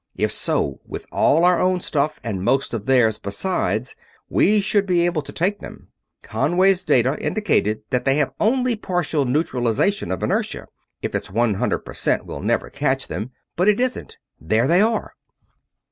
If so, with all our own stuff and most of theirs besides, we should be able to take them. Conway's data indicated that they have only partial neutralization of inertia if it's one hundred percent we'll never catch them but it isn't there they are!"